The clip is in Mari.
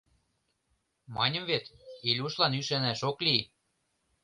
Маньым вет: Илюшлан ӱшанаш ок лий.